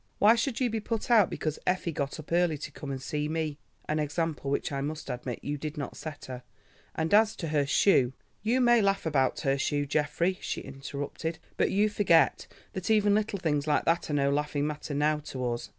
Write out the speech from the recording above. Why should you be put out because Effie got up early to come and see me?—an example which I must admit you did not set her. And as to her shoe——" he added smiling. "You may laugh about her shoe, Geoffrey," she interrupted, "but you forget that even little things like that are no laughing matter now to us.